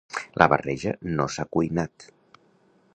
La barreja no s'ha cuinat.